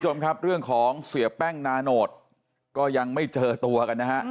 คุณผู้ชมครับเรื่องของเสียแป้งนาโนตก็ยังไม่เจอตัวกันนะฮะ